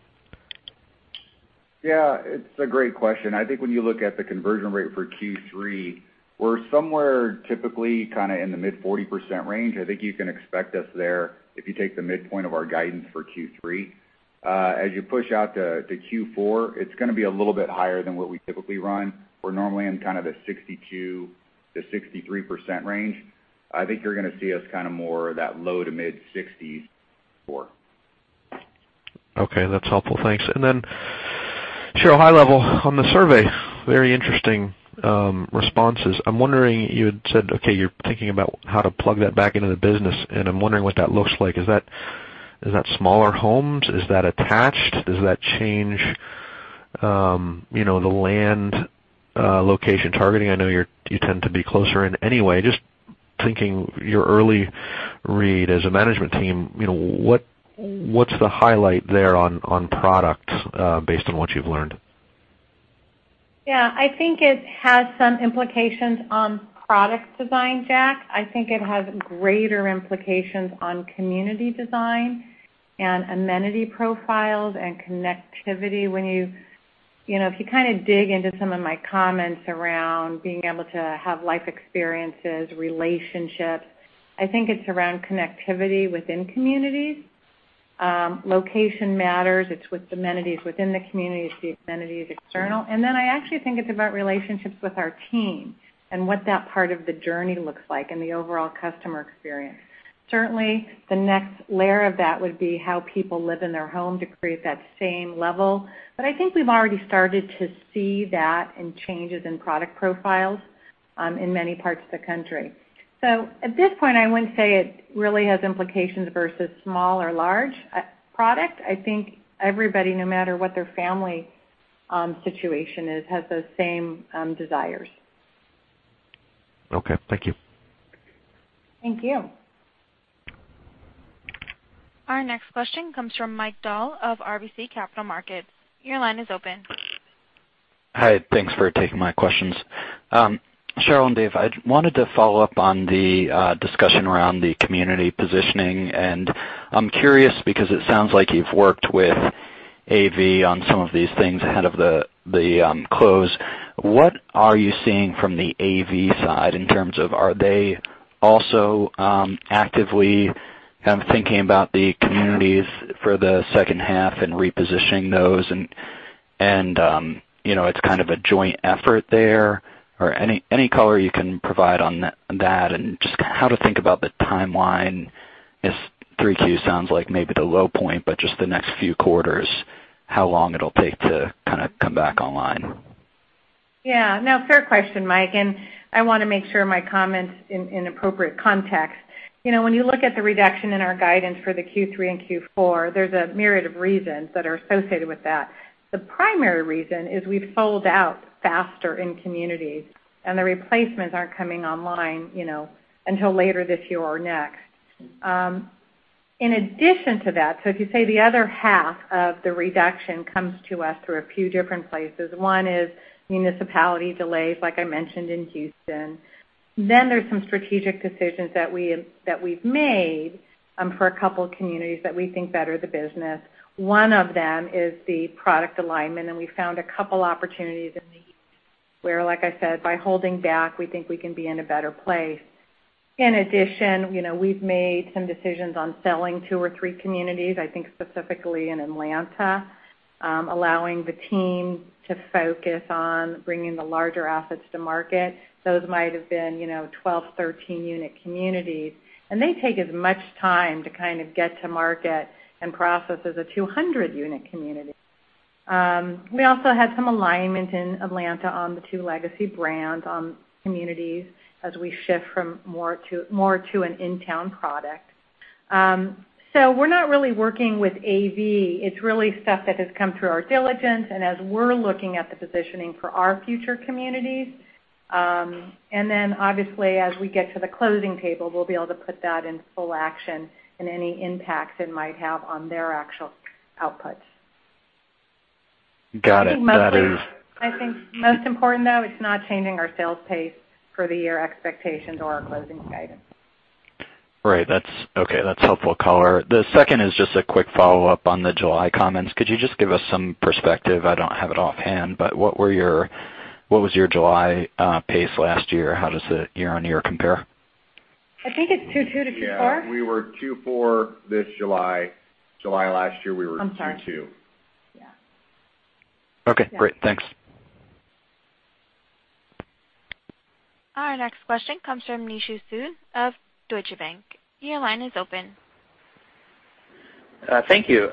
Yeah. It's a great question. I think when you look at the conversion rate for Q3, we're somewhere typically kind of in the mid 40% range. I think you can expect us there if you take the midpoint of our guidance for Q3. As you push out to Q4, it's going to be a little bit higher than what we typically run. We're normally in kind of the 62%-63% range. I think you're going to see us kind of more that low to mid 60s for Q4. Okay. That's helpful. Thanks. And then, Sheryl, high level on the survey, very interesting responses. I'm wondering, you had said, okay, you're thinking about how to plug that back into the business, and I'm wondering what that looks like. Is that smaller homes? Is that attached? Does that change the land location targeting? I know you tend to be closer in anyway. Just thinking your early read as a management team, what's the highlight there on product based on what you've learned? Yeah. I think it has some implications on product design, Jack. I think it has greater implications on community design and amenity profiles and connectivity. If you kind of dig into some of my comments around being able to have life experiences, relationships, I think it's around connectivity within communities. Location matters. It's with amenities within the community. It's the amenities external. And then I actually think it's about relationships with our team and what that part of the journey looks like and the overall customer experience. Certainly, the next layer of that would be how people live in their home to create that same level. But I think we've already started to see that in changes in product profiles in many parts of the country. So at this point, I wouldn't say it really has implications versus small or large product. I think everybody, no matter what their family situation is, has those same desires. Okay. Thank you. Thank you. Our next question comes from Mike Dahl of RBC Capital Markets. Your line is open. Hi. Thanks for taking my questions. Sheryl and Dave, I wanted to follow up on the discussion around the community positioning, and I'm curious because it sounds like you've worked with AV on some of these things ahead of the close. What are you seeing from the AV side in terms of are they also actively thinking about the communities for the second half and repositioning those, and it's kind of a joint effort there, or any color you can provide on that and just how to think about the timeline. This 3Q sounds like maybe the low point, but just the next few quarters, how long it'll take to kind of come back online. Yeah. No, fair question, Mike. And I want to make sure my comments in appropriate context. When you look at the reduction in our guidance for the Q3 and Q4, there's a myriad of reasons that are associated with that. The primary reason is we've sold out faster in communities, and the replacements aren't coming online until later this year or next. In addition to that, so if you say the other half of the reduction comes to us through a few different places. One is municipality delays, like I mentioned, in Houston. Then there's some strategic decisions that we've made for a couple of communities that we think better the business. One of them is the product alignment. And we found a couple of opportunities in the East where, like I said, by holding back, we think we can be in a better place. In addition, we've made some decisions on selling two or three communities, I think specifically in Atlanta, allowing the team to focus on bringing the larger assets to market. Those might have been 12, 13-unit communities. And they take as much time to kind of get to market and process as a 200-unit community. We also had some alignment in Atlanta on the two legacy brands on communities as we shift from more to an in-town product. So we're not really working with AV. It's really stuff that has come through our diligence and as we're looking at the positioning for our future communities. And then, obviously, as we get to the closing table, we'll be able to put that in full action and any impacts it might have on their actual outputs. Got it. That is. I think most important, though, it's not changing our sales pace for the year expectations or our closing guidance. Right. Okay. That's helpful color. The second is just a quick follow-up on the July comments. Could you just give us some perspective? I don't have it offhand, but what was your July pace last year? How does the year-on-year compare? I think it's 2.2-2.4. Yeah. We were 2.4 this July. July last year, we were 2.2. I'm sorry. Yeah. Okay. Great. Thanks. Our next question comes from Nishu Sood of Deutsche Bank. Your line is open. Thank you.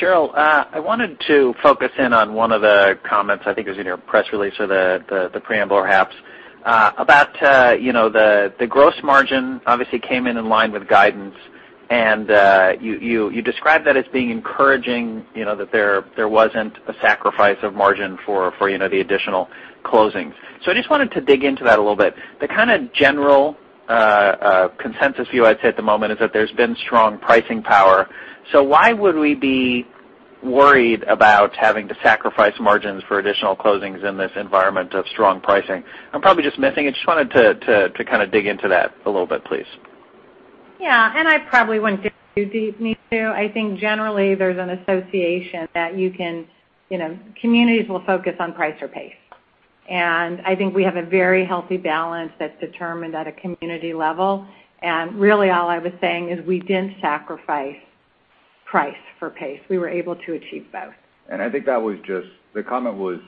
Sheryl, I wanted to focus in on one of the comments. I think it was either a press release or the preamble or perhaps about the gross margin. Obviously, it came in in line with guidance. And you described that as being encouraging that there wasn't a sacrifice of margin for the additional closings. So I just wanted to dig into that a little bit. The kind of general consensus view, I'd say, at the moment is that there's been strong pricing power. So why would we be worried about having to sacrifice margins for additional closings in this environment of strong pricing? I'm probably just missing it. Just wanted to kind of dig into that a little bit, please. Yeah. And I probably wouldn't dig too deep, Nishu. I think generally, there's an association that communities will focus on price or pace. And I think we have a very healthy balance that's determined at a community level. And really, all I was saying is we didn't sacrifice price for pace. We were able to achieve both. And I think that was just the comment was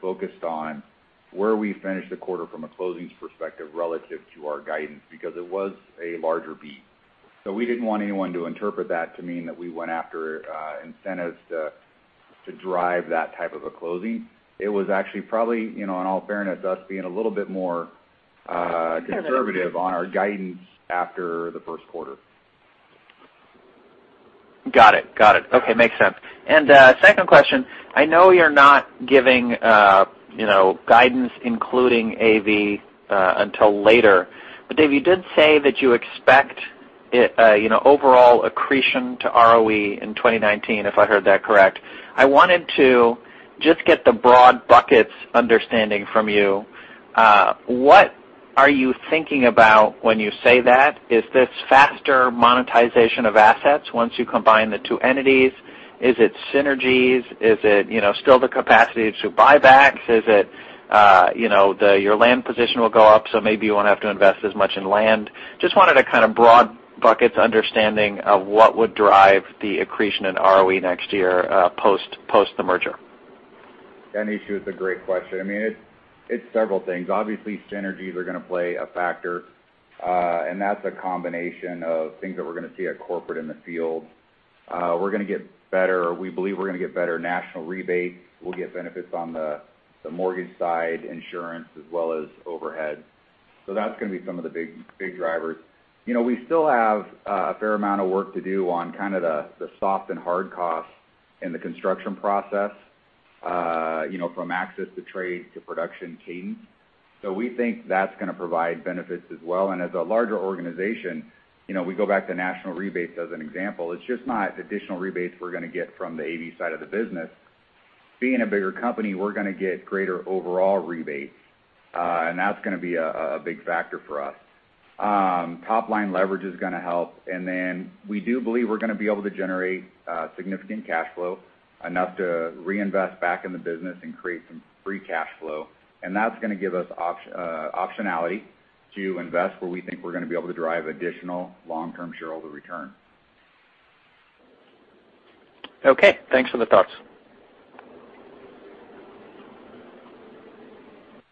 focused on where we finished the quarter from a closings perspective relative to our guidance because it was a larger beat. So we didn't want anyone to interpret that to mean that we went after incentives to drive that type of a closing. It was actually probably, in all fairness, us being a little bit more conservative on our guidance after the first quarter. Got it. Got it. Okay. Makes sense. And second question, I know you're not giving guidance including AV until later. But Dave, you did say that you expect overall accretion to ROE in 2019, if I heard that correct. I wanted to just get the broad buckets understanding from you. What are you thinking about when you say that? Is this faster monetization of assets once you combine the two entities? Is it synergies? Is it still the capacity to buybacks? Is it your land position will go up, so maybe you won't have to invest as much in land? Just wanted to kind of broad buckets understanding of what would drive the accretion in ROE next year post the merger. And Nishu, it's a great question. I mean, it's several things. Obviously, synergies are going to play a factor. And that's a combination of things that we're going to see at corporate in the field. We're going to get better. We believe we're going to get better national rebates. We'll get benefits on the mortgage side, insurance, as well as overhead. So that's going to be some of the big drivers. We still have a fair amount of work to do on kind of the soft and hard costs in the construction process from access to trade to production cadence. So we think that's going to provide benefits as well. And as a larger organization, we go back to national rebates as an example. It's just not additional rebates we're going to get from the AV side of the business. Being a bigger company, we're going to get greater overall rebates. And that's going to be a big factor for us. Top-line leverage is going to help. And then we do believe we're going to be able to generate significant cash flow enough to reinvest back in the business and create some free cash flow. And that's going to give us optionality to invest where we think we're going to be able to drive additional long-term shareholder return. Okay. Thanks for the thoughts.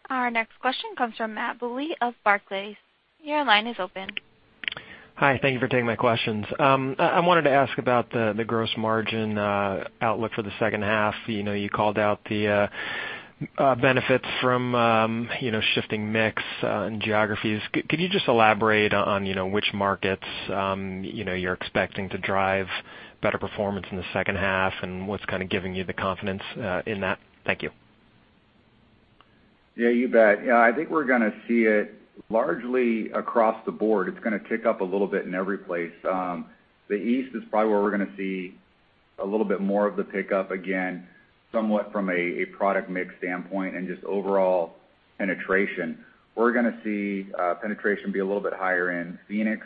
Our next question comes from Matthew Bouley of Barclays. Your line is open. Hi. Thank you for taking my questions. I wanted to ask about the gross margin outlook for the second half. You called out the benefits from shifting mix and geographies. Could you just elaborate on which markets you're expecting to drive better performance in the second half and what's kind of giving you the confidence in that? Thank you. Yeah. You bet. Yeah. I think we're going to see it largely across the board. It's going to tick up a little bit in every place. The East is probably where we're going to see a little bit more of the pickup again, somewhat from a product mix standpoint and just overall penetration. We're going to see penetration be a little bit higher in Phoenix,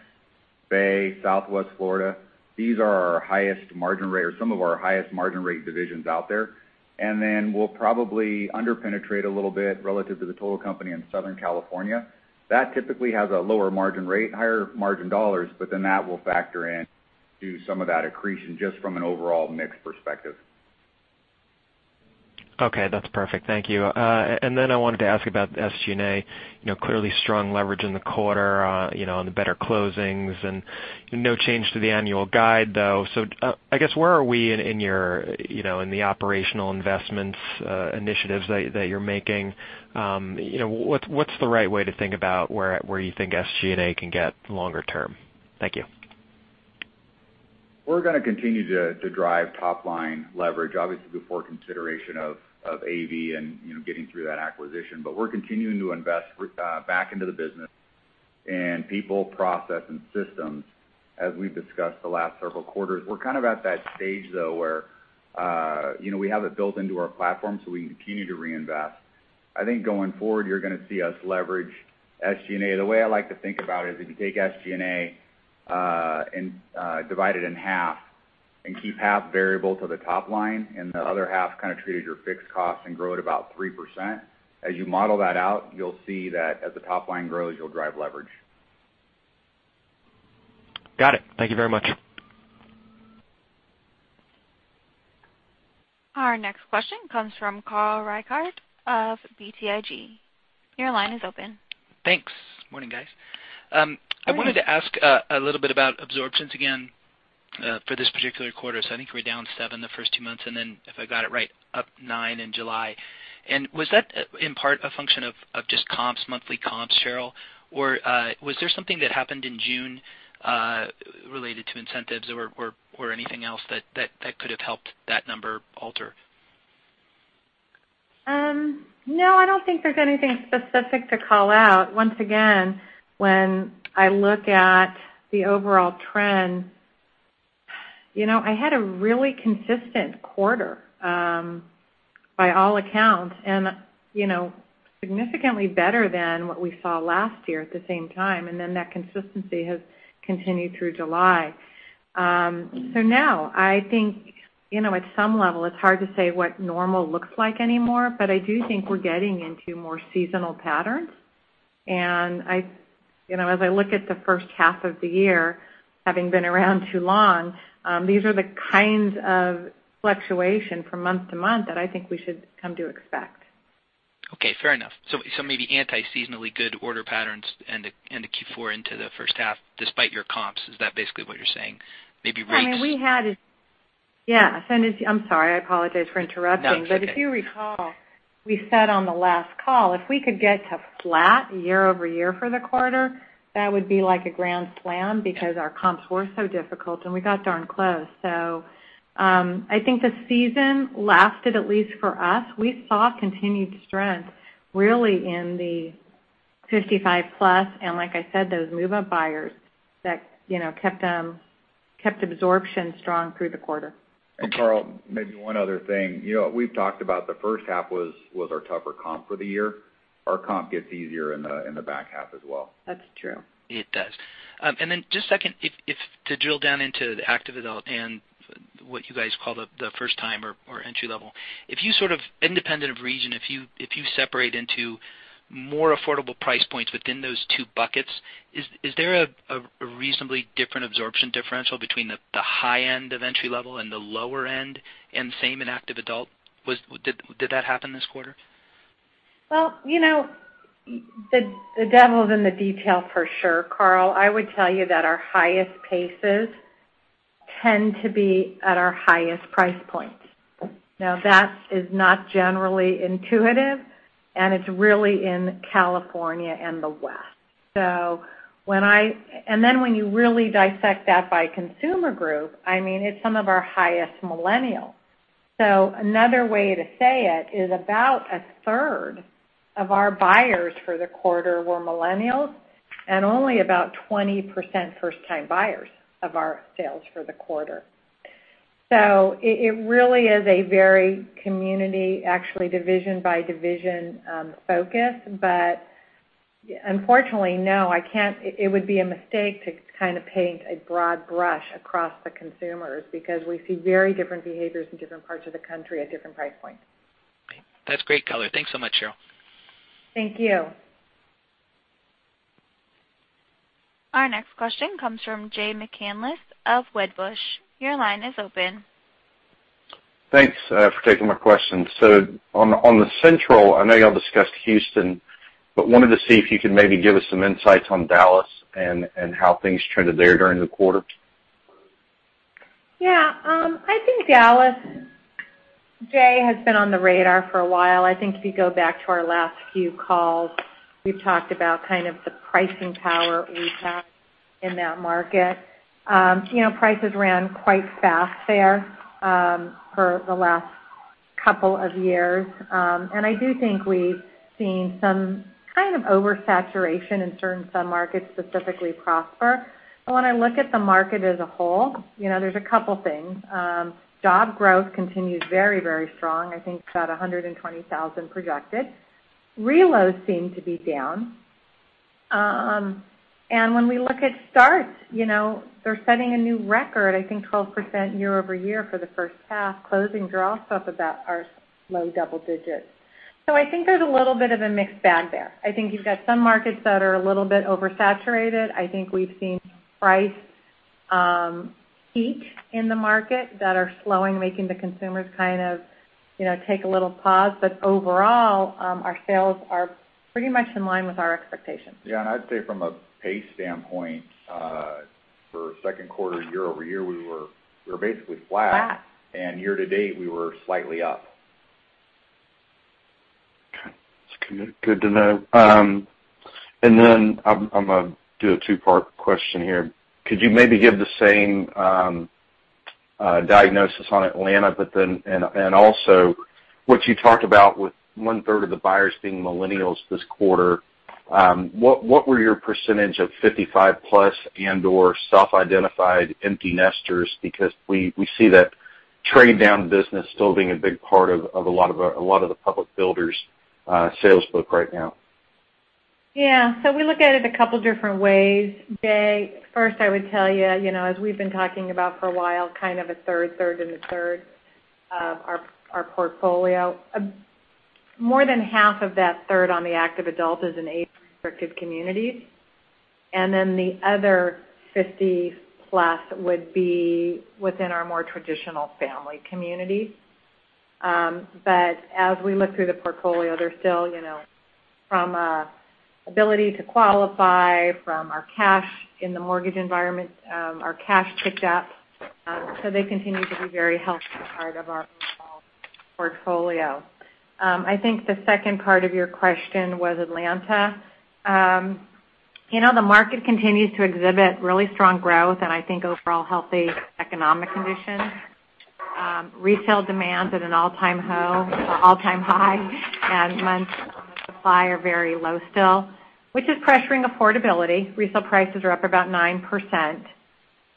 Bay, Southwest Florida. These are our highest margin rate or some of our highest margin rate divisions out there. And then we'll probably underpenetrate a little bit relative to the total company in Southern California. That typically has a lower margin rate, higher margin dollars, but then that will factor in to some of that accretion just from an overall mix perspective. Okay. That's perfect. Thank you. And then I wanted to ask about SG&A. Clearly strong leverage in the quarter on the better closings and no change to the annual guide, though. So I guess where are we in the operational investments initiatives that you're making? What's the right way to think about where you think SG&A can get longer term? Thank you. We're going to continue to drive top-line leverage, obviously, before consideration of AV and getting through that acquisition. But we're continuing to invest back into the business and people, process, and systems as we've discussed the last several quarters. We're kind of at that stage, though, where we have it built into our platform so we can continue to reinvest. I think going forward, you're going to see us leverage SG&A. The way I like to think about it is if you take SG&A and divide it in half and keep half variable to the top line and the other half kind of treated your fixed costs and grow it about 3%. As you model that out, you'll see that as the top line grows, you'll drive leverage. Got it. Thank you very much. Our next question comes from Carl Reichardt of BTIG. Your line is open. Thanks. Morning, guys. I wanted to ask a little bit about absorptions again for this particular quarter. So I think we're down seven the first two months and then, if I got it right, up nine in July. And was that in part a function of just comps, monthly comps, Sheryl? Or was there something that happened in June related to incentives or anything else that could have helped that number alter? No. I don't think there's anything specific to call out. Once again, when I look at the overall trend, I had a really consistent quarter by all accounts and significantly better than what we saw last year at the same time, and then that consistency has continued through July, so now, I think at some level, it's hard to say what normal looks like anymore, but I do think we're getting into more seasonal patterns, and as I look at the first half of the year, having been around too long, these are the kinds of fluctuation from month to month that I think we should come to expect. Okay. Fair enough. So maybe anti-seasonally good order patterns and the Q4 into the first half despite your comps. Is that basically what you're saying? Maybe rates? I'm sorry. I apologize for interrupting, but if you recall, we said on the last call, if we could get to flat year-over-year for the quarter, that would be like a grand slam because our comps were so difficult and we got darn close, so I think the season lasted, at least for us. We saw continued strength really in the 55-plus, and like I said, those move-up buyers that kept absorption strong through the quarter. And Carl, maybe one other thing. We've talked about the first half was our tougher comp for the year. Our comp gets easier in the back half as well. That's true. It does. And then just second, to drill down into the active adult and what you guys called the first-timer or entry-level, if you sort of independent of region, if you separate into more affordable price points within those two buckets, is there a reasonably different absorption differential between the high end of entry-level and the lower end and same in active adult? Did that happen this quarter? The devil's in the detail for sure, Carl. I would tell you that our highest paces tend to be at our highest price points. Now, that is not generally intuitive. And it's really in California and the West. And then when you really dissect that by consumer group, I mean, it's some of our highest millennials. So another way to say it is about a third of our buyers for the quarter were millennials and only about 20% first-time buyers of our sales for the quarter. So it really is a very community, actually, division-by-division focus. But unfortunately, no, it would be a mistake to kind of paint a broad brush across the consumers because we see very different behaviors in different parts of the country at different price points. That's great color. Thanks so much, Sheryl. Thank you. Our next question comes from Jay McCanless of Wedbush. Your line is open. Thanks for taking my question. So on the Sunbelt, I know y'all discussed Houston, but wanted to see if you could maybe give us some insights on Dallas and how things trended there during the quarter? Yeah. I think Dallas, Jay, has been on the radar for a while. I think if you go back to our last few calls, we've talked about kind of the pricing power we've had in that market. Prices ran quite fast there for the last couple of years. And I do think we've seen some kind of oversaturation in certain sub-markets, specifically Prosper. But when I look at the market as a whole, there's a couple of things. Job growth continues very, very strong. I think about 120,000 projected. Relos seem to be down. And when we look at starts, they're setting a new record, I think 12% year-over-year for the first half. Closings are also up about our low double digits. So I think there's a little bit of a mixed bag there. I think you've got some markets that are a little bit oversaturated. I think we've seen price peak in the market that are slowing, making the consumers kind of take a little pause. But overall, our sales are pretty much in line with our expectations. Yeah, and I'd say from a pace standpoint for second quarter, year-over-year, we were basically flat. Flat. Year to date, we were slightly up. Okay. That's good to know. And then I'm going to do a two-part question here. Could you maybe give the same diagnosis on Atlanta? And also what you talked about with one-third of the buyers being millennials this quarter, what were your percentage of 55-plus and/or self-identified empty nesters? Because we see that trade-down business still being a big part of a lot of the public builders' salesbook right now. Yeah. So we look at it a couple of different ways. Jay, first, I would tell you, as we've been talking about for a while, kind of a third, third, and a third of our portfolio. More than half of that third on the active adult is in age-restricted communities. And then the other 50-plus would be within our more traditional family community. But as we look through the portfolio, they're still from ability to qualify, from our cash in the mortgage environment, our cash picked up. So they continue to be very healthy part of our overall portfolio. I think the second part of your question was Atlanta. The market continues to exhibit really strong growth and I think overall healthy economic conditions. Retail demand at an all-time high and month-to-month supply are very low still, which is pressuring affordability. Retail prices are up about 9%.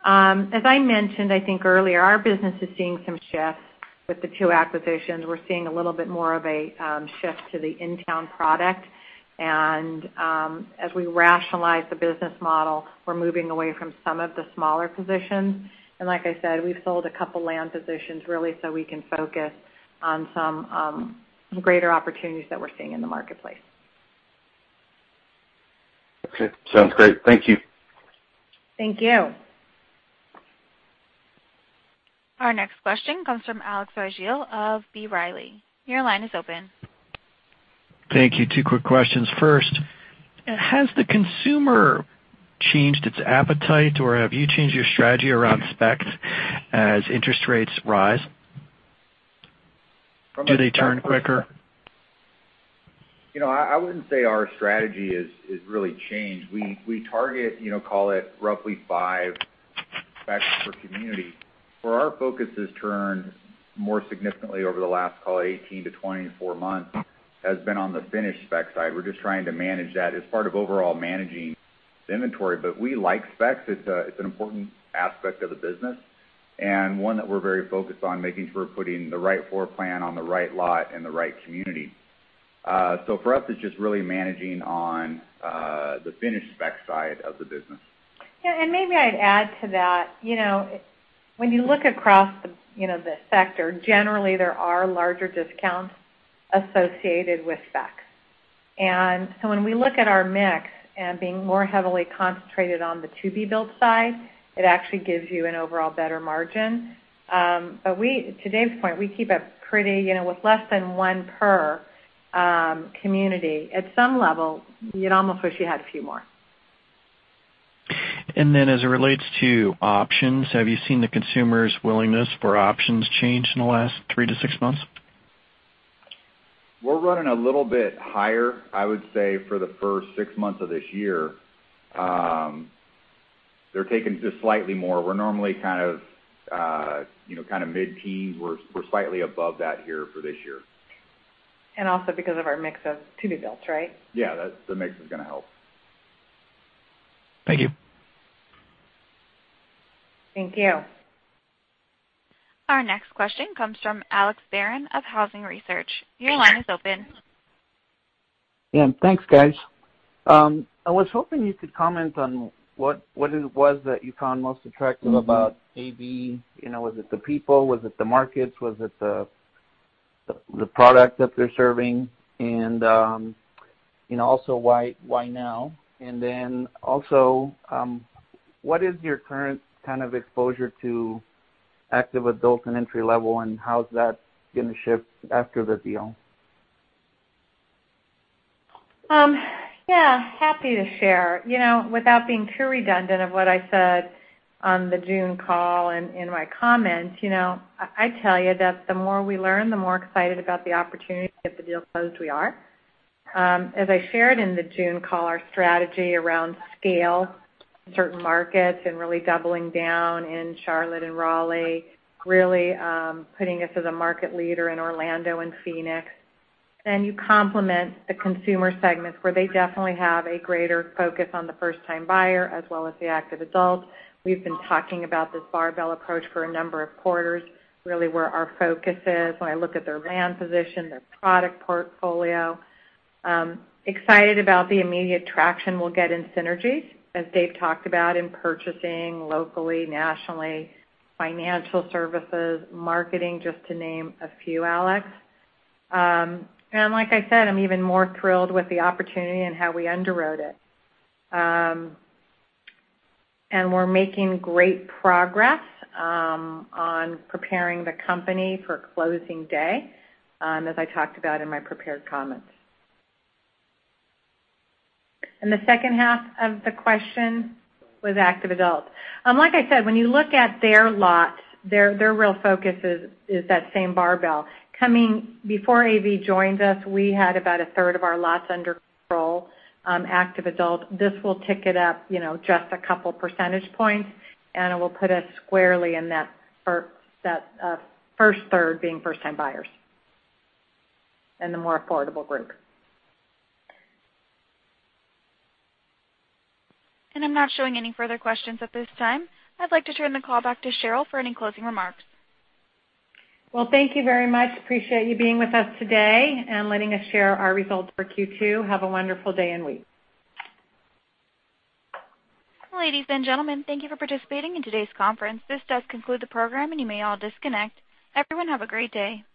As I mentioned, I think earlier, our business is seeing some shifts with the two acquisitions. We're seeing a little bit more of a shift to the in-town product, and as we rationalize the business model, we're moving away from some of the smaller positions, and like I said, we've sold a couple of land positions really so we can focus on some greater opportunities that we're seeing in the marketplace. Okay. Sounds great. Thank you. Thank you. Our next question comes from Alex Rygiel of B. Riley. Your line is open. Thank you. Two quick questions. First, has the consumer changed its appetite, or have you changed your strategy around specs as interest rates rise? Do they turn quicker? I wouldn't say our strategy has really changed. We target, call it roughly five specs per community. Where our focus has turned more significantly over the last, call it 18-24 months, has been on the finished spec side. We're just trying to manage that as part of overall managing the inventory. But we like specs. It's an important aspect of the business and one that we're very focused on making sure we're putting the right floor plan on the right lot in the right community. So for us, it's just really managing on the finished spec side of the business. Yeah. And maybe I'd add to that. When you look across the sector, generally, there are larger discounts associated with specs. And so when we look at our mix and being more heavily concentrated on the to-be-built side, it actually gives you an overall better margin. But to Dave's point, we keep it pretty with less than one per community. At some level, you'd almost wish you had a few more. And then as it relates to options, have you seen the consumer's willingness for options change in the last three-to-six months? We're running a little bit higher, I would say, for the first six months of this year. They're taking just slightly more. We're normally kind of mid-teens. We're slightly above that here for this year. and also because of our mix of to-be-builts, right? Yeah. The mix is going to help. Thank you. Thank you. Our next question comes from Alex Barron of Housing Research. Your line is open. Yeah. Thanks, guys. I was hoping you could comment on what it was that you found most attractive about AV. Was it the people? Was it the markets? Was it the product that they're serving? And also why now? And then also, what is your current kind of exposure to active adults and entry-level, and how's that going to shift after the deal? Yeah. Happy to share. Without being too redundant of what I said on the June call and in my comments, I tell you that the more we learn, the more excited about the opportunity. At the deal closed we are. As I shared in the June call, our strategy around scale in certain markets and really doubling down in Charlotte and Raleigh really putting us as a market leader in Orlando and Phoenix. And it complements the consumer segments where they definitely have a greater focus on the first-time buyer as well as the active adult. We've been talking about this barbell approach for a number of quarters, really where our focus is when I look at their land position, their product portfolio. Excited about the immediate traction we'll get in synergies, as Dave talked about, in purchasing locally, nationally, financial services, marketing, just to name a few, Alex. Like I said, I'm even more thrilled with the opportunity and how we underwrote it. We're making great progress on preparing the company for closing day, as I talked about in my prepared comments. The second half of the question was active adult. Like I said, when you look at their lots, their real focus is that same barbell. Before AV joined us, we had about a third of our lots under control active adult. This will tick it up just a couple of percentage points, and it will put us squarely in that first third being first-time buyers and the more affordable group. I'm not showing any further questions at this time. I'd like to turn the call back to Sheryl for any closing remarks. Thank you very much. Appreciate you being with us today and letting us share our results for Q2. Have a wonderful day and week. Ladies and gentlemen, thank you for participating in today's conference. This does conclude the program, and you may all disconnect. Everyone, have a great day.